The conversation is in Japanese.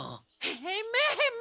ヘムヘム。